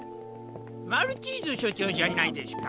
マルチーズしょちょうじゃないですか！